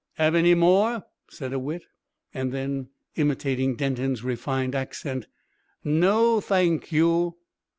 "'Ave any more?" said a wit; and then, imitating Denton's refined accent. "No, thank you."